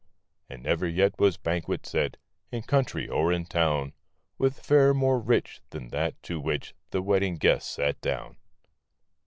And never yet Was banquet set, In country or in town, With fare more rich Than that to which The wedding guests sat down.